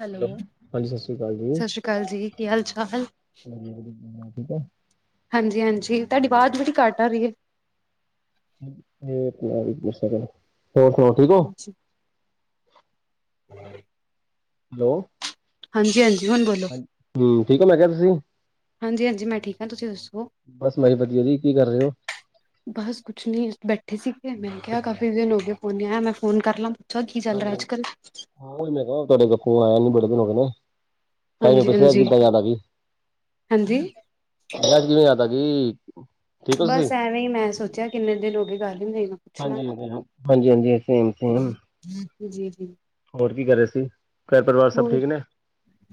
Hello ਹਾਂਜੀ ਸ਼੍ਰੀ ਅਕਾਲ ਜੀ ਸਤਿ ਸ਼੍ਰੀ ਅਕਾਲ ਜੀ ਕੀ ਹਾਲ ਚਾਲ। ਠੀਕ ਹੈ ਹਾਂਜੀ ਹਾਂਜੀ ਤੁਹਾਡੀ ਆਵਾਜ਼ ਬੜੀ ਘੱਟ ਆ ਰਹੀ ਹੈ। ਇਹ ਆਪਣਾ ਵੀ ਸਕ ਹੋਰ ਸੁਣਾਓ। ਠੀਕ ਹੋ ਅੱਛਾ ਹੂੰ। ਹੈਲੋ। ਹਾਂਜੀ ਹਾਂਜੀ ਹੁਣ ਬੋਲੋ। ਹਮ ਠੀਕ ਹੋ ਮੈਂ ਕਿਹਾ ਤੁਸੀਂ ਹਾਂਜੀ ਹਾਂਜੀ ਮੈਂ ਠੀਕ ਹਾਂ ਤੁਸੀਂ ਦੱਸੋ। ਬਸ ਮੈਂ ਵਧੀਆ ਜੀ ਕੀ ਕਰ ਰਹੇ ਹੋ ਬਸ ਕੁਛ ਨੀ ਬੈਠੇ ਸੀਗੇ ਮੈਂ ਕਿਹਾ ਕਾਫੀ ਦਿਨ ਹੋ ਗਏ ਫੋਨ ਆਇਆ ਮੈਂ ਫੋਨ ਕਰ ਲਾਂ। ਪੁੱਛਾ ਕੀ ਚੱਲ ਰਿਹਾ ਹਾਂਜੀ ਹੈ। ਅੱਜ ਕੱਲ੍ਹ। ਹਾਂ ਉਹੀ ਮੈਂ ਕਿਹਾ ਤੁਹਾਡੇ ਕੋਲ ਆਇਆ ਨੀ ਬੜੇ ਦਿਨ ਹੋਗੇ ਨਾਂ। ਤਾਹੀਂ ਮੈਂ ਹਾਂਜੀ ਪੁੱਛਿਆ ਅੱਜ ਹਾਂਜੀ ਕਿਦਾਂ ਯਾਦ ਆ ਗਈ। ਹਾਂਜੀ ਅੱਜ ਕਿਵੇਂ ਯਾਦ ਆ ਗਈ। ਠੀਕ ਹੋ ਤੁਸੀਂ ਬਸ ਐਵੇਂ ਹੀ ਮੈਂ ਸੋਚਿਆ ਕਿੰਨੇ ਦਿਨ ਹੋ ਗਏ ਗੱਲ ਹੀ ਮੇਰੀ ਨਾਲ ਪੁੱਛ ਲ ਹਾਂਜੀ ਹਾਂਜੀ ਹਾਂਜੀ ਸੇਮ ਸੇਮ ਹਮ ਜੀ ਜੀ। ਹੋਰ ਕੀ ਕਰ ਰਹੇ ਸੀ ਘਰ ਪਰਿਵਾਰ ਸਭ ਹੋਰ ਠੀਕ ਨੇ।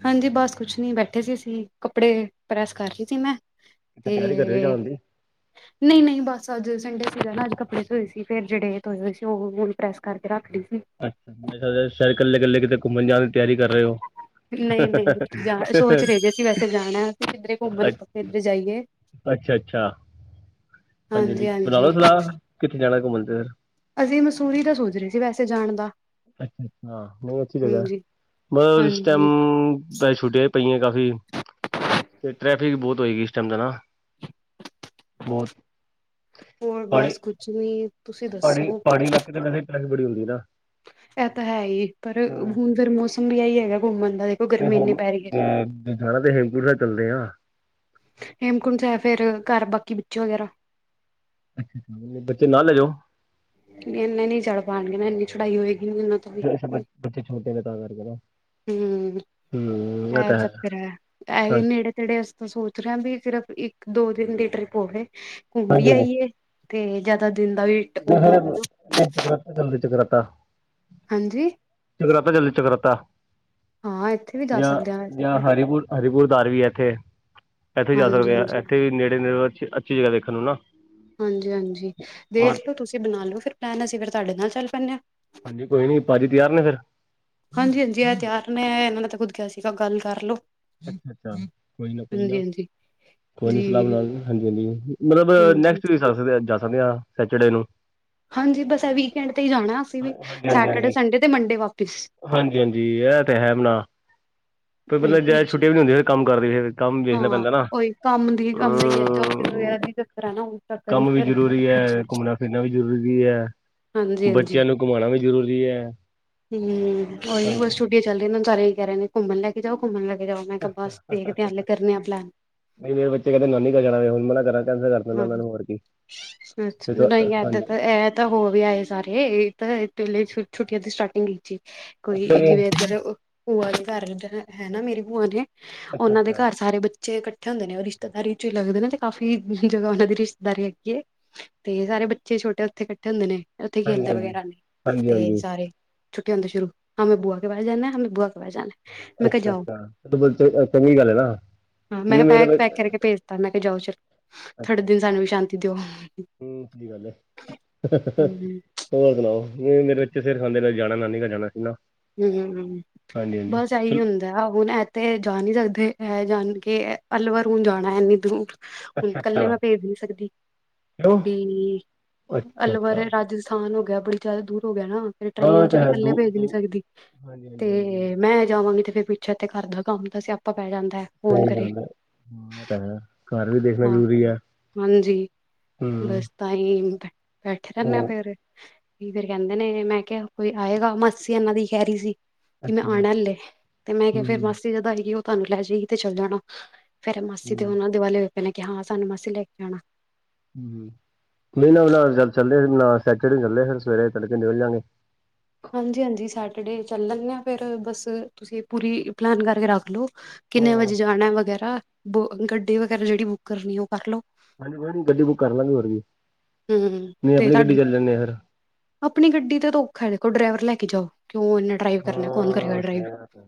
ਹਾਂਜੀ ਬਸ ਕੁਛ ਨੀ ਬੈਠੇ ਸੀ ਅਸੀਂ ਕੱਪੜੇ ਪ੍ਰੈਸ ਕਰ ਰਹੀ ਸੀ ਮੈਂ। ਕਿਤੇ ਤਿਆਰੀ ਕਰ ਰਹੇ ਹੋ ਤੇ ਜਾਣ ਦੀ ਨਹੀਂ ਨਹੀਂ ਬਸ ਅੱਜ ਸੰਡੇ ਸੀਗਾ ਨਾ ਅੱਜ ਕੱਪੜੇ ਚ ਹੋਏ ਸੀ ਫਿਰ ਜਿਹੜੇ ਧੋਏ ਹੋਏ ਸੀ ਉਹ ਗੋਲ ਪ੍ਰੈਸ ਕਰਕੇ ਰੱਖ ਰਈ ਸੀ। ਅੱਛਾ ਮੇ ਖਰੇ ਸ਼ਾਏ ਕੱਲੇ ਕਲੇ ਕਿਤੇ ਘੁੰਮਣ ਜਾਣ ਦੀ ਤਿਆਰੀ ਕਰ ਰਹੇ ਹੋ। ਨਹੀਂ ਨਹੀਂ ਜਾ ਸੋਚ ਰਹੇ ਜੇ ਅਸੀਂ ਵੈਸੇ ਜਾਣਾ ਅਸੀ ਕਿੱਧਰੇ ਘੁੰਮਣੇ ਕਿੱਧਰ ਜਾਈਏ। ਅੱਛਾ ਅੱਛਾ ਹਾਂਜੀ ਹਾਂਜੀ ਬਣਾ ਲਓ ਸਲਾਹ ਕਿੱਥੇ ਜਾਣਾ ਘੁੰਮਣ ਤੇ ਫਿਰ। ਅਸੀਂ ਮਸੂਰੀ ਦਾ ਸੋਚ ਰਹੇ ਸੀ ਵੈਸੇ ਜਾਣ ਦਾ। ਅੱਛਾ ਅੱਛਾ ਨਹੀਂ ਅਛੀ ਜਗਹ ਹਾਂਜੀ ਬ ਇਸ ਟਾਈਮ ਹਾਂਜੀ ਬ ਛੁੱਟੀਆਂ ਪਈਆਂ ਕਾਫੀ ਤੇ ਟਰੈਫਿਕ ਬਹੁਤ ਹੋਏਗੀ ਇਸ ਟਾਈਮ ਹਣਾ। ਬਹੁਤ ਹੋਰ ਪਹਾੜੀ ਬਸ ਕੁਛ ਵੀ ਪਹਾੜੀ ਪਹਾੜੀ ਇਲਾਕੇ ਤੇ ਮ ਤੀਲਕਨ ਬੜੀ ਹੁੰਦੀ ਹੈ ਨਾ। ਇਹ ਤਾਂ ਹੈ ਹੀ ਪਰ ਹੁਣ ਫਿਰ ਮੌਸਮ ਵੀ ਆਹੀ ਹੈਗਾ ਘੁੰਮਣ ਦਾ ਦੇਖੋ ਤੇ ਗਰਮੀ ਇੰਨੀ ਹੁਣ ਪੈ ਰਹੀ ਹੈ। ਜਾਣਾ ਤੇ ਹੇਮਕੁਰ ਸਾਹਿਬ ਚੱਲਦੇ ਆ। ਹੇਮਕੁੰਡ ਸਾਹਿਬ ਫੇਰ ਘਰ ਬਾਕੀ ਬੱਚੇ ਵਗੈਰਾ। ਅੱਛਾ ਅੱ ਬੱਚੇ ਨਾਲ ਲੈ ਜਾਓ। ਇੰਨੇ ਨ ਨਹੀਂ ਚੜ ਪਾਉਣਗੇ ਇੰਨੀ ਚੜਾਈ ਹੋਏਗੀ ਨਾ। ਅੱਛ, ਅੱਛਾ ਬੱਚੇ ਛੋਟੇ ਨੇ ਤਾਂ ਕਰਕੇ ਨਾ। ਹਮ ਹਮ ਇਹ ਤਾਂ ਹੈ ਚੱਕਿਰ ਹੇ। ਜਿਹੜੇ ਅਸੀਂ ਤਾਂ ਸੋਚ ਰਹੇ ਹ ਵੀ ਸਿਰਫ ਇੱਕ ਦੋ ਦਿਨ ਦੀ ਟ੍ਰਿਪ ਹੋਵੇ ਘੁੰਮ ਵੀ ਹਾਂਜੀ ਆਈਏ। ਤੇ ਜਿਆਦਾ ਦਿਨ ਦਾ ਵੀ ਉਹ ਨਾ ਹੋਵੇ ਨਾ ਫਿਰ ਚੱਕਤਾ ਜਲਦੀ ਚੱਕਰਾਤਾ [unintelligible] ਹਾਂਜੀ। ਚਕਰਾਤਾ ਜਲਦੀ ਚੱਕਰਰਾਤਾ ਹਾਂ ਇੱਥੇ ਵੀ ਜਾ ਜਾਂ ਸਕਦੇ ਹਾਂ ਵੈਸੇ ਜਾਂ ਤੇ ਹਰੀਪੁਰ ਹਰੀਪੁਰਦਾਰ ਵੀ ਹੈ ਇੱਥੇ। ਇੱਥੇ ਜਾ ਹਾਂਜੀ ਸਕਦੇ ਆ ਹਾਂਜੀ ਇੱਥੇ ਵੀ ਨੇੜੇ ਰ ਅੱਛੀ ਜਗ੍ਹਾ ਦੇਖਣ ਨੂੰ ਨਾ। ਹਾਂਜੀ ਹਾਂਜੀ ਹਾਂ। ਦੇਖ ਲੋ ਤੁਸੀਂ ਬਣਾ ਲਓ ਫਿਰ ਪਲੈਨ ਅਸੀਂ ਫਿਰ ਤੁਹਾਡੇ ਨਾਲ ਚੱਲ ਪੈਂਂਦੇ ਹਾਂ। ਹਾਂਜੀ ਕੋਈ ਨਹੀਂ ਭਾਜੀ ਤਿਆਰ ਨੇ ਫਿਰ। ਹਾਂਜੀ ਹਾਂਜੀ ਇਹ ਤਿਆਰ ਨੇ ਇਹਨਾਂ ਨੇ ਤਾਂ ਖੁਦ ਕਿਹਾ ਸੀਗਾ ਗੱਲ ਕਰਲੋ। ਅੱਛਾ ਅੱਛਾ ਕੋਈ ਲ ਕੋਈਨਾ ਕੋਈ ਨੀ ਸਲਾਹ ਜੀ ਬਣਾ ਲਈ, ਹਾਂਜੀ ਹਾਂਜੀ ਮਤਲਬ ਹਾਂਜੀ ਨੈਕਸਟ ਸਕਦੇ ਜਾ ਸਕਦੇ ਹਾਂ ਸੈਚਡੇ ਨੂੰ, ਹਾਂਜੀ ਬਸ ਵੀਕਐਂਡ ਤੇ ਹੀ ਜਾਣਾ ਅਸੀਂ ਵੀ ਹਾਂਜੀ ਹਾਂਜੀ ਹਾਂਜੀ ਸੈਟਰਡੇ ਸੰਡੇ ਤੇ ਮੰਡੇ ਵਾਪਿਸ। ਹਾਂਜੀ ਹਾਂਜੀ ਇਹ ਤੇ ਹੈ ਬਣਾ ਤੇ ਮਤਲਬ ਜ ਵਿੱਚ [unintelligible] ਛੁੱਟੀਆਂ ਨੀ ਹੁੰਦੀ ਫਿਰ ਕੰਮ ਕਰਦੇ ਫਿਰ ਕੰਮ ਵੇਖਣਾ ਹਾਂ ਪੈਂਦਾ ਨਾ ਉਹੀ ਕੰਮ ਦੀ ਕੰਮ ਦਾ ਹੀ ਹੈ ਜੋਬ ਹਮ ਵਗੈਰਾ ਦੀ ਚੱਕਰ ਹੈ ਨਾ ਉਸ ਚੱਕਰ ਵਿੱਚ ਕੰਮ ਵੀ ਫਿਰ ਜ਼ਰੂਰੀ ਹੈ ਘੁੰਮਣਾ ਫਿਰਨਾ ਵੀ ਜ਼ਰੂਰੀ ਹੈ ਹਾਂਜੀ ਹਾਂਜੀ ਬੱਚਿਆਂ ਨੂੰ ਘੁਮਾਉਣਾ ਵੀ ਜ਼ਰੂਰੀ ਹੈ ਹਾਂਜੀ ਵ ਚੱਲ ਸਾਰੇ ਕਹਿ ਰਹੇ ਨੇ ਘੁੰਮਣ ਲੈ ਕੇ ਜਾਓ ਘੁੰਮਣ ਲੈ ਕੇ ਜਾਓ ਮੈਂ ਕਿਹਾ ਬੱਸ ਦੇਖ ਏ ਕਰਨੇ ਆ ਪਲੈਨ ਨਹੀਂ ਮੇਰੇ ਬੱਚ ਕਹਿੰਦੇ ਨਾਨੀ ਕਰ ਜਾਣਾ ਹੁਣ ਮੈਂ ਕਰਾਂ ਕੈਂਸਲ ਕਰ ਦਿੰਦਾ ਹਾਂ ਉਹਨਾਂ ਨੂੰ ਹੋਰ ਕੀ ਅੱਛਾ ਨਹੀਂ ਐਦਰ ਹਾਂਜੀ ਤਾਂ ਇਹ ਤਾਂ ਹੋ ਵੀ ਆਏ ਸਾਰੇ ਇਹ ਤਾਂ ਸਕੂਲਾ ਛੁੱਟੀਆਂ ਦੀ ਸਟਾਰਟਿੰਗ ਵਿਚ ਹੀ। ਅੱਛਾ ਕੋਈ ਜੀ ਜਿਵੇਂ ਇਧਰ ਭੂਆ ਦੇ ਘਰ ਹੈ ਨਾ ਮੇਰੀ ਭੂਆ ਨੇ ਉਹਨਾਂ ਦੇ ਅੱਛਾ-ਅੱਛਾ, ਘਰ ਸਾਰੇ ਬੱਚੇ ਬੱਚੇ ਇਕੱਠੇ ਹੁੰਦੇ ਨੇ ਉਹ ਰਿਸ਼ਤੇਦਾਰੀ ਚ ਹੀ ਲਗਦੇ ਨੇ ਤੇ ਕਾਫੀ ਜਗ੍ਹਾ ਉਹਨਾਂ ਦੀ ਰਿਸ਼ਤੇਦਾਰੀ ਹੈਗੀ ਏ ਤੇ ਸਾਰੇ ਬੱਚੇ ਛੋਟੇ ਉੱਥੇ ਇਕੱਠੇ ਹੁੰਦੇ ਨੇ ਉੱਥੇ ਖੇਲਦੇ ਹਾਂਜੀ-ਹਾਂਜੀ, ਵਗੈਰਾ ਨੇ ਤੇ ਹਾਂਜੀ-ਹਾਂਜੀ, ਸਾਰੇ ਛੋਟੇ ਹੁੰਦਾ ਛੁਰੂ ਹਮੇ ਬੂਆ ਕੇ ਘਰ ਜਾਣਾ ਹੇ ਹਮੇ ਬੂਆ ਕੇ ਘਰ ਜਾਣਾ ਹੈ। ਅੱਛਾ, ਅੱਛਾ ਚ ਬਲ ਚੰਗੀ ਗੱਲ ਹੈ ਨਾ ਹਾਂ ਮੈਂ ਨਈ ਮੇਰੇ ਬੈਗ ਬ ਪੈਕ ਕਰਕੇ ਭੇਜਤਾ ਮੈਂ ਕਿਹਾ ਜਾਓ ਚਲ ਥੋੜੇ ਦਿਨ ਸਾਨੂੰ ਵੀ ਸ਼ਾਂਤੀ ਦਿਓ। ਹੂ ਸਹੀ ਗੱਲ ਹੈ। ਹਮ ਹੋਰ ਸੁਣਾਓ ਨਹੀਂ ਮੇਰੇ ਬੱਚੇ ਸਿਰ ਖਾਂਦੇ ਨੇ ਜਾਣਾ ਨਾਨੀ ਘਰ ਜਾਣਾ ਨਾ ਹੂ ਹਾਂਜੀ-ਹਾਂਜੀ। ਬਸ ਇਹੀ ਚਲ ਹੁੰਦਾ। ਹੁਣ ਇਥੇ ਜਾ ਨਹੀਂ ਸਕਦੇ ਹੈ ਏ ਜਾਣ ਕੇ ਅਲਵਰ ਹੁਣ ਜਾਣਾ ਇੰਨੀ ਦੂਰ ਹੁਣ ਕੱਲੇ ਅੱਛਾ, ਮੈਂ ਭੇਜ ਨੀ ਸਕਦੀ ਕਿਉਂ, ਵੀ ਅਲਵਰ ਅੱਛਾ-ਅੱਛਾ, ਰਾਜਸ ਆਸਾਨ ਹੋ ਗਿਆ ਬੜੀ ਜ਼ਿਆਦਾ ਦੂਰ ਹੋ ਗਿਆ ਨਾ ਫਿਰ ਹਾਂ ਟ੍ਰਰੇਨ ਐ ਚ ਵੀ ਤਾਂ ਹੈ ਇਕੱਲੇ ਭੇਜ ਨਹੀਂ ਦੂ-ਦੂ ਸਕਦੀ। ਹਾਂਜੀ-ਹਾਂਜੀ-ਹਾਂਜੀ, ਤੇ ਮੈਂ ਜਾਵਾਂਗੀ ਤੇ ਫਿਰ ਪਿੱਛੇ ਤੇ ਘਰ ਦਾ ਕੰਮ ਦਾ ਸਿਆਪਾ ਪੈ ਜਾਂਦਾ ਹੈ। ਕੌਣ ਸਹੀ ਕਰੇ ਗੱਲਦਾ ਹੈ ਹਾਂ ਤੇ ਹੈ ਘਰ ਵੀ ਦੇਖਣਾ ਹਾਂ ਜ਼ਰੂਰੀ ਆ ਹਾਂਜੀ ਬਸ ਤਾਂ ਹੀ ਬੈਠੇ ਰਹਿੰਦੇ ਹੂੰ। ਫਿਰ ਫਿਰ ਕਹਿੰਦੇ ਨੇ ਮੈਂ ਕਿਹਾ ਕੋਈ ਆਏਗਾ ਮਾਸੀ ਇਹਨਾਂ ਦੀ ਖਹਿ ਰਹੀ ਸੀ ਕਿ ਮੈਂ ਅੱਛਾ, ਆਣਾ ਹੂੰ-ਹੂੰ, ਅੱਲੇ ਤੇ ਮੈਂ ਕਿਹਾ ਫਿਰ ਮਾਸੀ ਜਦਾਂ ਸੀਗੀ ਉਹ ਤੁਹਾਨੂੰ ਲੈ ਜਾਏਗੀ ਤੇ ਚੱਲ ਜਾਣਾ ਫਿਰ ਮਾਸੀ ਦੇ ਉਹਨਾਂ ਦੀਵਾਲੇ ਪਹਿ ਨੇ ਕਿ ਹਾਂ ਸਾਨੂੰ ਮਾਸੀ ਲੈ ਕੇ ਆਉਣਾ ਹੂ ਹੂ ਨਹੀਂ ਨਾ ਨਾਲ ਚੱਲੇ ਨਾ ਸੈਚੜੇ ਚੱਲੇ ਫਿਰ ਸਵੇਰੇ ਤੜਕੇ ਨਿਕਲ ਜਾਂਗੇ। ਹਾਂਜੀ, ਹਾਂਜੀ ਸੈਚੜੇ ਚੱਲ ਲੈਂਦੇ ਹਾਂ ਫਿਰ ਬਸ ਤੁਸੀਂ ਪੂਰੀ ਪਲੈਨ ਕਰਕੇ ਰੱਖ ਲਓ। ਕਿੰਨੇ ਹਾਂ। ਵਜੇ ਜਾਣਾ ਵਗੈਰਾ ਬ ਗੱਡੀ ਵਗੈਰਾ ਜਿਹੜੀ ਬੁੱਕ ਕਰਨੀ ਉਹ ਕਰ ਲੋ ਹਾਂਜੀ ਹੋਰ ਕੋਈ ਨੀ ਗੱਡੀ ਬੁੱਕ ਕਰ ਲਾਂਗੇ ਹੋਰ ਕਿ ਹਮ ਨਹੀਂ ਤੇ ਆਪਣੀ ਤੁਹਾਡੀ ਗੱਡੀ ਚੱਲ ਜਾਂਦੇ ਆ ਆਪਣੀ ਗੱਡੀ ਦਾ ਤੇ ਔਖਾ ਦੇਖੋ ਡਰਾਈਵਰ ਲੈ ਕੇ ਜਾਓ ਕਿਉਂ ਇੰਨੇ ਡਰਾਈਵ ਕਰਨਾ ਕੌਣ ਕਰੇਗਾ ਹਾਂ ਡਰਾਈਵ ਸਹੀ ਗੱਲ ਹੈ।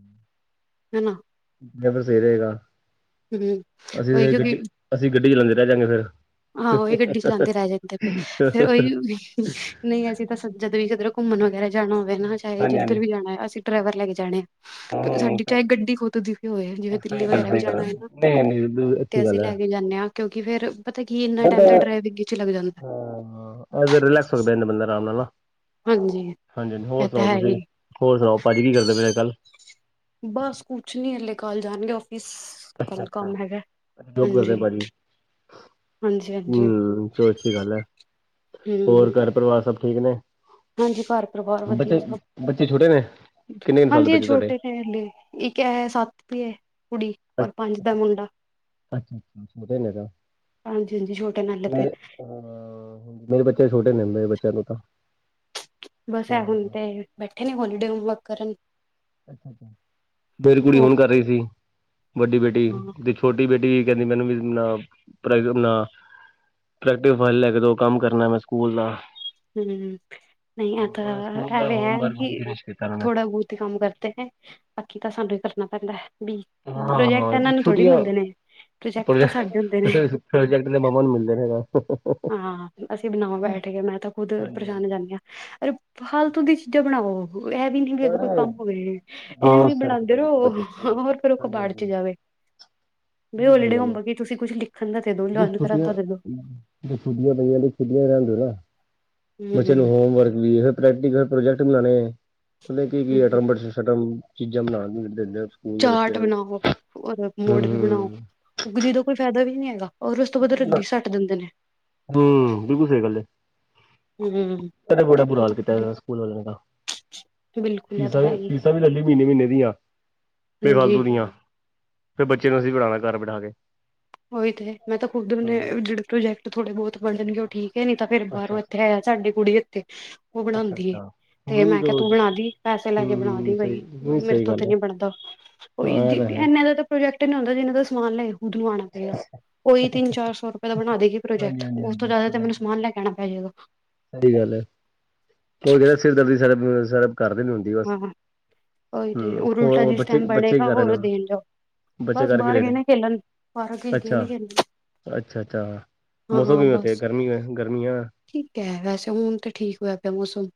ਹੈਨਾ ਇਹ ਫਿਰ ਸਹੀ ਰਹੇਗਾ ਹੂ ਅਸੀਂ ਉਹੀ ਫਿਰ ਕਿਉਂਕਿ ਗੱਡੀ ਅਸੀਂ ਗੱਡੀ ਚਲਾਉਂਦੇ ਰਹਿ ਜਾਂਗੇ ਫਿਰ। ਆਹੋ ਉਹੀ ਗੱਡੀ ਚਲਾਉਂਦੇ ਰਹਿ ਜਾਂਦੇ ਫਿਰ ਉਹੀ ਨਹੀਂ ਅਸੀਂ ਤਾਂ ਜਦ ਵੀ ਕਿਧਰ ਘੁੰਮਣ ਵਗੈਰਾ ਜਾਣਾ ਹੋਵੇ ਨਾ ਚਾਹੇ ਹਾਂਜੀ ਜਿੱਧਰ ਹਾਂਜੀ ਵੀ ਜਾਣਾ ਅਸੀਂ ਡਰਾਈਵਰ ਲੈ ਕੇ ਜਾਣਾ। ਹੂੰ ਸਾਡੀ ਚਾਹੇ ਗੱਡੀ ਖੁਦ ਦੀ ਹੋਏ ਜਿਵੇਂ ਦਿੱਲੀ ਸਹੀ ਗੱਲ ਵਗੈਰਾ ਵੀ ਸਹੀ ਜਾਣਾ ਗੱਲ। ਹੈਨਾ ਨਹੀਂ, ਬਿਲਕੁਲ ਅੱਛੀ ਗੱਲ ਹੈ। ਨਆ ਕਿਉਂਕਿ ਫਿਰ ਪਤਾ ਕੀ ਇੰਨਾ ਬੰਦਾ ਟਾਈਮ ਦਾ ਡਰਾਈਵਿੰਗ ਵਿੱਚ ਲੱਗ ਜਾਂਦਾ। ਹਾਂ ਅ ਰਿਲੈਕਸ ਹੋ ਜਾਂਦਾ ਬੰਦਾ ਆਰਾਮ ਨਾਲ ਨਾ ਹਾਂਜੀ। ਹਾਂਜੀ, ਹਾਂਜੀ ਹੋਰ ਇਹ ਤਾਂ ਸੁਣਾਓ ਹੈ ਤੁਸੀਂ ਹੀ ਹੋਰ ਸੁਣਾਓ ਭਾਜੀ ਕੀ ਕਰਦੇ ਪੇ ਕੱਲ ਬਸ ਕੁਛ ਨੀ ਹਲੇ ਕੱਲ ਜਾਣਗੇ ਆਫਿਸ ਕੱਲ ਕੰਮ ਹੈਗਾ ਹਾਂਜੀ਼। ਹੂ ਚਲੋ ਅੱਛੀ ਗੱਲ ਹੈ ਹੂੰ ਹੋਰ ਘਰ ਪਰਿਵਾਰ ਸਭ ਠੀਕ ਨੇ ਹਾਂਜੀ ਘਰ ਪਰਿਵਾਰ ਵਧੀਆ ਬੱਚੇ ਸਭ ਬੱਚੇ ਛੋਟੇ ਨੇ ਕਿੰਨੇ ਕੁ ਸਾਲ ਦੇ ਹਾਂਜੀ ਇਹ ਬੱਚੇ ਤੁਹਾਡੇ ਛੋਟੇ ਨੇ ਹਲੇ ਇੱਕ ਹੈ ਸੱਤ ਦੀ ਕੁੜੀ ਔਰ ਪੰਜ ਦਾ ਮੁੰਡਾ ਅੱਛਾ, - ਅੱਛਾ ਹਾਂਜੀ ਹਾਂਜੀ ਛੋਟੇ ਨੇ ਹਲੇ ਤੇ [unintelligible] ਮੇਰੇ ਬੱਚੇ ਛੋਟੇ ਨੇ ਮੇਰੇ ਬੱਚਿਆਂ ਨੂੰ ਤਾਂ ਬਸ ਹਾਂ ਹੈ ਹੁਣ ਤੇ ਬੈਠੇ ਨੇ ਹੋਲੀਡੇ ਹੋਮਵਰਕ ਕਰਨ ਮੇਰੀ ਕੁੜੀ ਉਹ ਹੁਣ ਕਰ ਰਹੀ ਸੀ ਵੱਡੀ ਬੇਟੀ ਹਾਂ ਦੇਖੋ ਛੋਟੀ ਬੇਟੀ ਵੀ ਕਹਿੰਦੀ ਮੈਨੂੰ ਵੀ ਨਾ ਪ੍ਰਈਵੇਟ ਬਣਾ ਪ੍ਰੈਕਟਿਸ ਫਾਈਲ ਲੇ ਕੇ ਦੋ ਕੰਮ ਕਰਨਾ ਮੈਂ ਸਕੂਲ ਦਾ ਹਮ ਨਹੀਂ ਆ ਤਾਂ ਉਹ ਸਕੂਲ ਹੈ ਦਾ ਹੈ ਹੋਮਵਰਕ ਹੁਣ ਕੀ ਫਿਨਿਸ਼ ਕੀਤਾ ਉਹਨਾਂ ਨੇ ਥੋੜਾ ਬਹੁਤ ਹੀ ਕੰਮ ਕਰਦੇ ਨੇ ਬਾਕੀ ਤਾਂ ਸਾਨੂੰ ਹੀ ਕਰਨਾ ਪੈਂਦਾ ਵੀ ਪ੍ਰੋਜੈਕਟ ਇਹਨਾਂ ਨੂੰ ਥੋੜ੍ਹੀ ਮਿਲਦੇ ਨੇ ਪ੍ਰੋਜੈਕਟ ਤਾਂ ਪ੍ਰੋਜੈਕ, ਸਾਡੇ ਹੁੰਦੇ ਨੇ ਪ੍ਰੋਜੈਕਟ ਦੇ ਮੰਮਾ ਨੂੰ ਮਿਲਦੇ ਹੈਗਾ ਹਾਂ ਅਸੀਂ ਬਣਾਓ ਬੈਠ ਕੇ ਮੈਂ ਤਾਂ ਖੁਦ ਪਰੇਸ਼ਾਨ ਹਾਂਜੀ ਜਾਂਦੀ ਹਾਂ ਅਰੇ ਫਾਲਤੂ ਦੀ ਚੀਜ਼ਾਂ ਬਣਾਓ ਇਹ ਵੀ ਨੀ ਜਦੋਂ ਕੋਈ ਅਰੇ ਕੰਮ ਹੋਵੇ ਨੇ ਦੋ ਇਹਵੇ ਵੀ ਸਿਰ ਬਣਾਉਂਦੇ ਖਪਾਈ ਕੀਤੀ ਰਹੋ ਬੱਚੇ ਸਕੂਲ ਹੋਰ ਫਿਰ ਉਹ ਹਾਂਜੀ ਕਬਾੜ ਹਾਂਜੀ ਚ ਜਾਵੇ। ਵੀ ਬਿਲਕੁਲ ਸਹੀ ਹੋਲੀਡੇ ਗੱਲ ਹੋਮ ਹੈ ਵਰਕ ਕਿ ਤੁਸੀਂ ਕੁਝ ਲਿਖਣ ਦਾ ਦੇ ਦੋ ਜੇ ਲੈਨ ਛੁੱਟੀਆਂ ਰੱਦਾਂ ਦੇ ਛੁੱਟੀਆਂ ਪਈਆਂ ਤੇ ਛੁਟੀਆਂ ਰਹਦੇ ਨਾ, ਬੱਚੇ ਹਮ ਨੂੰ ਹੋਮ ਵਰਕ ਵੀ ਇਹ ਪ੍ਰੈਕਟੀਕਲ ਪ੍ਰੋਜੈਕਟ ਬਣਾਉਣੇ ਆ ਪਤਾ ਕੀ ਕੀ ਹਮ [unintelligible] ਚੀਜ਼ਾਂ ਬਣਾਉਣ ਨਹੀਂ ਦਿੰਦੇ ਸਕੂਲ ਦੇ ਬੱਚੇ ਚਾਟ ਨੂੰ ਬਣਾਓ ਰ ਮੋਡਲ ਬਣਾਓ ਉਗਜੀ ਦਾ ਕੋਈ ਫਾਇਦਾ ਵੀ ਨੀ ਹੈਗਾ। ਔਰ ਉਸ ਤੋਂ ਬਾਅਦ ਰੱਦੀ ਸੱਟ ਦਿੰਦੇ ਨੇ ਹੂ ਬਿਲਕੁਲ ਸਹੀ ਗੱਲ ਹਮ ਤੁਹਾਡਾ ਬੜਾ ਬੁਰਾ ਹਾਲ ਕੀਤਾ ਸਕੂਲ ਦਾ ਬਿਲਕੁਲ ਇਹ ਤਾਂ ਹੈ ਹੀ ਫੀਸਾਂ-ਫੀਸਾਂ ਵੀ ਲੈ ਲਈ ਮਹੀਨੇ-ਮਹੀਨੇ ਦੀਆਂ ਹਾਂਜੀ ਬੇਫਾਲਤੂ ਦੀਆਂ ਫਿਰ ਬੱਚੇ ਨੂੰ ਅਸੀਂ ਪੜਾਉਣਾ ਘਰ ਬਠਾ ਕੇ ਉਹੀ ਤੇ ਮੈਂ ਤਾਂ ਖੁਦ ਹੂੰ ਜਿਹੜੇ ਪ੍ਰੋਜੈਕਟ ਥੋੜੇ ਬਹੁਤ ਪੜ੍ਹਣਗੇ ਉਹ ਠੀਕ ਕਿ ਨੀ ਤਾਂ ਫੇਰ ਅੱਛਾ ਬਾਹਰੋਂ ਅੱਛਾ ਇੱਥੇ ਆਇਆ ਸਾਡੇ ਕੁੜੀ ਇੱਥੇ ਉਹ ਅੱਛਾ ਬਣਾਉਂਦੀ ਏ ਅੱਛਾ ਤੇ ਹੂੰ ਮੈਂ ਕਿਹਾ ਦੋ ਤੂੰ ਬਣਾ ਦੀ ਪੈਸੇ ਲੈ ਕੇ ਬਣਾ ਹੂੰ ਦੀ ਸਹੀ ਬਾਈ ਨਹੀਂ ਮੇਰੇ ਸਹੀ ਤੋਂ ਤੇ ਗੱਲ ਹੈ ਨੀ ਬਣਦਾ ਉਹ ਹਾਂ ਇਹ ਤਾਂ ਹੈ ਇਨੇ ਦਾ ਪ੍ਰੋਜੈਕਟ ਨੇ ਆਂਦਾ ਜਿਨ੍ਹਾਂ ਦਾ ਸਮਾਨ ਲੈਏਦ ਆਉਣਾ ਉਈ ਤਿੰਨ ਚਾਰ ਸੌ ਰੁਪਏ ਦਾ ਬਣਾ ਦੇਗੀ ਪ੍ਰੋਜੈਕਟ ਹਾਂਜੀ ਹਾਂਜੀ ਉਸ ਤੋਂ ਹਾਂਜੀ ਜ਼ਿਆਦਾ ਤੇ ਮੈਨੂੰ ਸਮਾਨ ਲੈ ਕੇਹਿਣਾ ਪੈ ਜਾਏਗਾ। ਸਹੀ ਗੱਲ ਹੈ ਕੋਈ ਕਹਿੰਦਾ ਸਿਰ ਦਰਦੀ ਸ ਸ ਕਰਦੇ ਨੀ ਹੁੰਦੀ ਬਸ ਹਾਂ ਉਹੀ ਤੇ ਹੂੰ ਉਹਰ ਉਲਟਾ ਹੋਰ ਜਿਸ ਬੱਚੇ ਟਾਈਮ ਬੱਚੇ ਕੀ ਬਣੇਗਾ ਕਰ ਰਹੇ ਨੇ ਹੋਰ ਹੁਣ? ਦੇਣ ਜਾਓ ਬਸ ਬਾਹਰ ਗਹਣੇ ਖੇਲਣ ਪਾਰਕ ਵਿੱਚ ਗਹਣੇ ਖੇਲਣ ਅੱਛਾ, ਅੱਛਾ ਹਾਂ ਮੌਸਮ ਹਾਂ ਕਿਵੇਂ ਉੱਥੇ ਬਸ ਗਰਮੀ, ਗਰਮੀ ਆ ਠੀਕ ਹੈ ਵੈਸੇ ਹੁਣ ਤੇ ਠੀਕ ਹੋਇਆ ਪਿਆ ਮੌਸਮ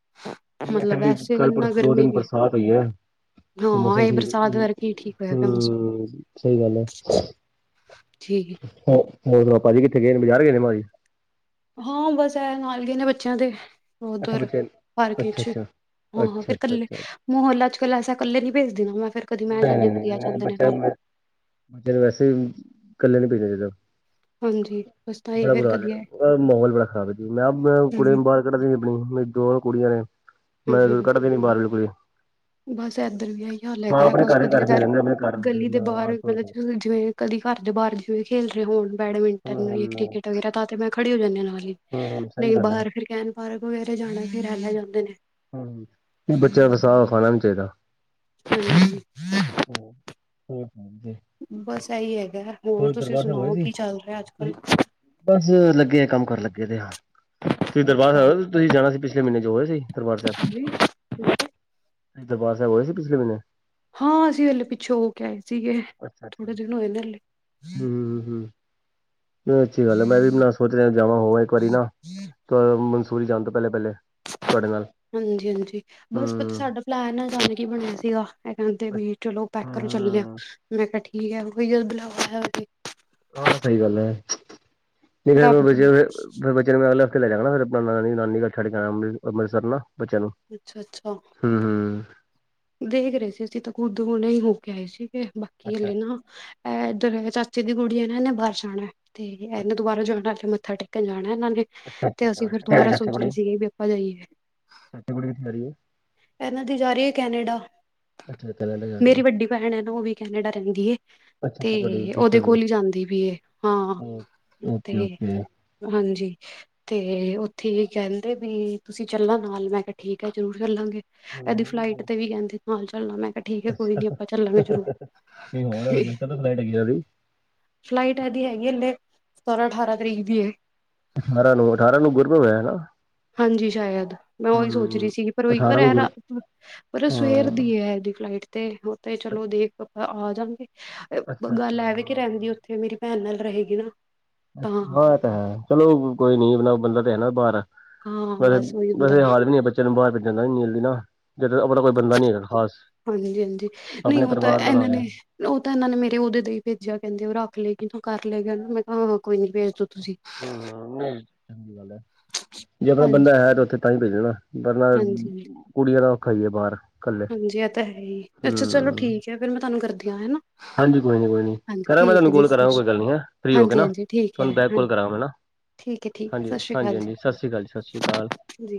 ਮਤਲਬ ਵੈਸੇ ਇੰਨਾ ਦੋ ਗਰਮੀ ਦਿਨ ਨੀ ਬਰਸਾਤ ਹੋਈ ਹੈ। ਤੇ ਹਾਂ ਮੌਸਮ ਇਹ ਠੀਕ ਬਰਸਾਤ ਹਮ ਕਰਕੇ ਹੀ ਠੀਕ ਹੋਇਆ ਪਿਆ ਮੌਸਮ ਸਹੀ ਗੱਲ ਹੈ। ਠੀਕ ਉਹ ਹੋਰ ਪਾਪਾ ਜੀ ਕਿੱਥੇ ਗਏ ਨੇ ਬਜ਼ਾਰ ਗਏ ਨੇ ਪਾਜੀ ਹਾਂ ਬਸ ਐ ਨਾਲ ਗ ਨੇ ਬੱਚਿਆਂ ਦੇ ਅੱਛਾ ਉਧਰ ਬੱਚੇ ਪਾਰਕੇ ਅੱਛਾ ਅੱਛਾ ਚ ਹਾਂ ਅੱਛਾ ਫਿਰ ਅੱਛਾ ਕੱਲੇ ਅੱਛਾ ਮੂੰ ਹੋਲਾ ਚਕਲ ਆਸ਼ਾ ਕੱਲ ਨੀ ਭੇਜਦੀ ਮ ਫਿਰ ਕਦੀ ਮੈਂ ਜਾਂਦੀ ਨਹੀਂ ਹਾਂ ਕਦੀ ਆ ਨਹੀਂ [unintelligible] ਜਾਂਦੇ ਨੇ ਬੱਚਾ ਨਾਲ ਬੱਚੇ ਨੂੰ ਵੈਸੇ ਕੱਲੇ ਨੀ ਪੀਣਾ ਜਦੋਂ ਹਾਂਜੀ ਬਸ ਤਾਂ ਹੀ ਬੜਾ ਫੇਰ ਬੁਰਾ ਹਾਲ ਕਦੀ ਹੈ। ਮਾਹਗੌਲ ਬੜਾ ਖਰਾਬ ਹੈ। ਜੀ ਮੈਂ ਕੁੜੇ ਹਮ ਬਾਅ ਕੱਢਦੀ ਆਪਣੀ ਮੇਰੀ ਦੋ ਕੁੜੀਆਂ ਨੇ ਹਮ ਮੈਂ ਹਮ ਕੱਢਦੀ ਬਾਹਰਵ ਕੁੜ ਬਸ ਇਏਧਰ ਵੀ ਇਹੀ ਹਾਲ ਹੈਕ ਹੈ। ਆਪਣੇ ਬਸ ਘਰ ਹੀ ਕਦੀ ਘਰ ਫਿਰ ਕਾਰ ਰਹਿੰਦੇ ਆਪਣੇ ਗਲੀ ਦੇ ਘਰ ਬਾਹਰ ਆਸ ਪੜੋਸ ਮਤਲਬ ਜਿਵੇਂ ਕਦੀ ਘਰ ਦੇ ਬਾਹਰ ਜਿਵੇਂ ਖੇਲ ਰਹੇ ਹੋਣ ਬੈਡਮਿੰਟਨ ਜਾਂ ਹੂੰ-ਹੂੰ, ਕ੍ਰਿਕਟ ਵਗੈਰਾ ਤਾਂ ਤੇ ਮੈਂ ਖੜੀ ਹੋ ਜਾਂਦੀ ਹ ਨਾਲ ਹੀ ਹੂੰ-ਹੂੰ ਸਹੀ ਨਹੀਂ ਗੱਲ ਐ, ਬਾਹਰ ਫਰ ਕੈਨ ਪਾਰਕ ਵਗੈਰਾ ਜਾਣਾ ਫ ਹੈਲਾ ਜਾਂਦੇ ਨੇ ਹਮ ਬੱਚਿਆਂ ਵਸ ਸੁਗ ਖਾਣਾ ਨਹੀਂ ਚਾਹੀਦਾ। ਹਮ ਹਮ ਠੀਕ ਹ ਜੀ [unintelligible] ਬਸ ਇਹੀ ਹੈਗਾ ਹੋਰ ਤੁਸੀਂ ਦਰਬਾਰ ਸਾਹਿਬ ਹੋਏ ਸੁਣਾਓ ਸੀ? ਕੀ ਚੱਲ ਰਿਹਾ ਅੱਜ ਕੱਲ ਬਸ ਲੱਗੇ ਆ ਕੰਮ ਕਰਨ ਲੱਗੇ ਤੇ ਹਾਂ ਤੁਸੀਂ ਦਰਬਾਰ ਅੱਛਾ ਸਾਹਿਬ ਤੁਸੀਂ ਜਾਣਾ ਸੀ ਪਿਛਲੇ ਮਹੀਨੇ ਜੋ ਹੋਏ ਸੀ ਦਰਬਾਰ ਸਾਹਿਬ। ਜੀ ਦਰਬਾਰ ਸਾਹਿਬ ਹੋਏ ਸੀ ਪਿਛਲੇ ਮਹੀੇਨੇ ਹਾਂ ਅਸੀਂ ਹਲੇ ਪਿੱਛੋਂ ਹੋ ਕੇ ਆਏ ਸੀਗੇ ਥੋੜੇ ਦਿਨ ਹੋਏ ਨੇ ਹਲੇ ਹਮ ਹਮ ਅੱਛੀ ਗੱਲ ਹੈ ਮੈਂ ਵੀ ਨਾ ਸੋਚ ਰਿਹਾ ਜਾਵਾਂ ਹੋਾਂ ਇੱਕ ਵਾਰੀ ਨਾ ਪਰ ਸੂ ਹੀ ਜਾਣ ਤੋਂ ਪਹਿਲੇ-ਪਹਿਲੇ ਤੁਹਾਡੇ ਨਾਲ ਹਾਂਜੀ- ਹਾਂਜੀ ਬਸ ਪਤਾ ਹੂੰ। ਸਾਡਾ ਪਲੈਨ ਆ ਜਾਾਨਕ ਬਣਿਆ ਸੀਗਾ ਇਹ ਕਹਿੰਦੇ ਵੀ ਚਲੋ ਪੈਕ ਕਰੋ ਚੱਲਿਆ। ਹੂੰ-ਹੂੰ। ਮੈਂ ਕਿਹਾ ਠੀਕ ਹੈ। ਬੁਲਾਇਆ ਹਾਂ ਸਹੀ ਗੱਲ ਹੈ ਤੇ ਫਿਰ ਰੱਬ ਬੇ ਫ ਫ ਮੈਂ ਅਗਲੇ ਹਫ਼ਤੇੈ ਲੈਜਾ ਗਾ ਫਿਰ ਆਪਨੀ ਨਾਨੀ ਛਡ ਜਾਣਾ ਅੰਮ੍ਰਿਸਰ ਨਾ ਬੱਚਿਆਂ ਨੂੰ ਅੱਛਾ-ਅੱਛਾ ਹਮ ਹੂੰ ਦੇਖ ਰਹੇ ਸੀ ਅਸੀਂ ਤਾਂ ਖੁੱਦੁਣੇ ਹੀ ਹੋ ਕੇ ਆਏ ਸੀਗੇ ਬਾਕੀ ਅੱਛਾ ਹਲੇ ਨਾ ਇੱਧਰ ਚਾਚੇ ਦੀ ਗੁੜੀਆ ਹੈ ਨਾ ਇਹਨੇ ਬਾਹਰ ਜਾਣਾ ਤੇ ਇਹਨਾਂ ਅੱਛਾ ਦੁਬਾਰੋਂ ਜਾਣ ਵਾਲੇ ਮੱਥਾ ਟੇਕ ਜਾਣਾ ਇਹਨਾਂ ਨੇ ਅੱਛਾ ਅੱਛਾ ਤੇ ਅਸੀਂ ਅੱਛਾ ਫੇਰ ਤੇਰੀ ਦੁਬਾਰਾ ਚਾਚੀ ਸੋਚ ਰਹੇ ਕੁੜੀ ਸੀਗੇ ਵੀ ਆਪਾਂ ਜਾਈਏ। [unintelligible] [inaudible] ਇਹਨਾਂ ਦੀ ਜਾ ਰਹੀ ਹੈ ਕੈਨੇਡਾ। ਅੱਛਾ ਕੈਨੇਡਾ ਜਾ ਰਹੀ ਮੇਰੀ ਹੈ ਵੱਡੀ ਭੈਣ ਹੈ ਨਾ ਉਹ ਵੀ ਕੈਨੇਡਾ ਰਹਿੰਦੀ ਏ ਅੱਛਾ ਤੇ ਅੱਛਾ ਤੁਹਾਡੀ ਉਹਦੇ ਸਿਸਟਰ ਦੀ ਕੋਲ ਹੀ ਜਾਂਦੀ ਵੀ ਐ। Okay okay. ਹਾਂਜੀ। ਤੇ ਉੱਥੇ ਕਹਿੰਦੇ ਵੀ ਤੁਸੀਂ ਚੱਲਾਂ ਨਾਲ ਮੈਂ ਕਿਹਾ ਠੀਕ ਹੈ ਜ਼ਰੂਰ ਚੱਲਾਂਗੇ। ਕਦੀ ਫਲਾਈਟ ਤੇ ਵੀ ਕਹਿੰਦੇ ਨਾਲ ਚੱਲਣਾ ਮੈਂ। ਠੀਕ ਐ। ਕੋਈ ਨੀ ਅੱਛਾ ਆਪਾਂ ਚੱਲਾਂਗੇ ਜਰੂਰ। ਨਹੀਂ ਹੋਰ ਹਜੇ ਕਦੋਂ ਫਲਾਈਟ ਹੈਗੀ ਉਹਦੀ ਫਲਾਈਟ ਆਦੀ ਹੈਗੀ ਲੇਟ ਸੋਲਾਂ ਅਠਾਰਾਂ ਤਰੀਕ ਦੀ ਏ। ਅਠਾਰਾਂ ਨੂੰ ਅਠਾਰਾਂ ਨੂੰ ਗੁਰਪੁਰਬ ਹੋਇਆ ਨਾ। ਹਾਂਜੀ। ਸ਼ਾਇਦ ਮੈਂ ਉਹੀ ਸੋਚ ਰਹੀ ਹੂੰ ਸੀਗੀ। ਪਰ ਉਹੀ ਪਰ ਅਠਾਰਾਂ ਨੂੰ ਗੁਰ ਪਰ ਹਾਂ ਸਵੇਰ ਦੀ ਐ ਇਹਦੀ ਫਲਾਈਟ। ਤੇ ਉੱਥ ਚਲੋ ਦੇਖ ਆਪਾਂ ਆ ਜਾਦੀ ਅੱਛਾ ਅੱਛਾ ਗੱਲ ਐਵੇਂ ਕਿ ਹਾਂ ਰਹਿੰਦੀ ਉੱਥੇ ਮੇਰੀ ਭੈਣ ਨਾਲ ਰਹੇਗੀ ਨਾ ਤਾਂ ਤੇ ਹੈ ਚਲੋ ਕੋਈ ਨੀ ਮਤਲਬ ਬੰਦਾ ਤੇ ਹੈ। ਨਾ ਬਾਹਾਰ ਹਾਂ ਬਸ ਉਹੀ ਹੁੰਦਾ ਵੈਸੇ-ਵੈਸੇ ਹਾਲ ਵੀ ਨੀ ਬੱਚਾ ਚਲ ਬ ਪ ਜਾਂਦਾ ਨੀ ਨਾਲ ਦਾ ਨਾ ਜਦ ਆਪ ਤਾਂ ਕੋਈ ਬਦਾ ਨੀ ਹੈਗਾ ਖਾਸ ਹਾਂਜੀ- ਹਾਂਜੀ ਨਹੀਂ ਆਪਣੇ ਉਹ ਤਾਂ ਪਰਿਵਾਰ ਦਾ ਨਾ ਇਹਨਾਂ ਹੋਇਆ ਨੇ ਉਹ ਤਾਂ ਇਹਨਾਂ ਨੇ ਮੇਰੇ ਉਹਦੇ ਹੀ ਭੇਜਿਆ ਕਹਿੰਦੇ ਉਹ ਰੱਖ ਲਏ ਕਿ ਕਰ ਲਏ ਗ ਮੈਂ ਕਿਹਾ ਹਾਂ ਕੋਈ ਨੀ ਭੇਜ ਦੋ ਤੁਸੀਂ [inaudible] ਚੰਗੀ ਗੱਲ ਹੈ ਜੇ ਆਪਣਾ ਹਾਂਜੀ ਬੰਦਾ ਹੈ ਤੇ ਉੱਥੇ ਤਾਂ ਹੀ ਭੇਜਗਾ। ਬਰਨਾ ਹਾਂਜੀ ਕੁੜੀਆਂ ਦਾ ਔਖਾ ਹੀ ਹੈ ਬਾਹਰ। ਕੱਲੇ ਹਾਂਜੀ, ਇਹ ਤਾਂ ਹੈ ਹੀ ਅੱਛਾ ਚਲੋ ਹਮ ਠੀਕ ਹੈ ਫੇਰ ਮੈਂ ਤੁਹਾਨੂੰ ਕਰਦੀ ਹਾਂ ਹਨਾ। ਹਾਂਜੀ, ਕੋਈ ਨੀ ਕੋਈ ਨੀ ਹਾਂਜੀ ਕਰਾਂਗਾ ਮੈਂ ਠੀਕ ਤੁਹਾਨੂੰ ਹੈ ਜੀ ਕੋਲ ਕਰਾਂਗਾ। ਕੋਈ ਗੱਲ ਨੀ ਹੈ। ਫਰੀ ਹੋ ਕੇ ਹਾਂਜੀ ਨਾ ਹਾਂਜੀ ਠੀਕ ਹੈ ਤੁਹਾਨੂੰ ਬੈਕ ਹਾਂਜੀ ਕੋਲ ਕਰਾਂਗਾ ਮੈਂ ਨਾ। ਠੀਕ ਹੈ ਠੀਕ ਹੈ ਸਤਿ ਹਾਂਜੀ, ਸ਼੍ਰੀ ਹਾਂਜੀ, ਅਕਾਲ ਜੀ ਹਾਂਜੀ। ਸਤਿ ਸ਼੍ਰੀ ਅਕਾਲ ਜੀ। ਸਤਿ ਸ਼੍ਰੀ ਅਕਾਲ। ਜੀ